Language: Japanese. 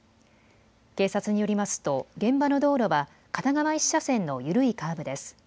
警察によりますと現場の道路は片側１車線の緩いカーブです。